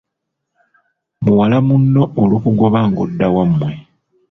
Muwala munno olukugoba ng’odda wammwe.